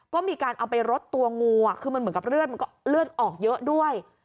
ก็มีการเอาไปรดตัวงูคือมันเหมือนกับเลือดมันก็เลือดออกเยอะด้วย